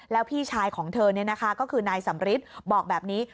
แล้วพี่ชายของเธอก็คือนายสำริทบอกแบบนี้